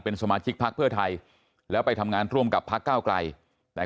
สมาชิกพักเพื่อไทยแล้วไปทำงานร่วมกับพักเก้าไกลแต่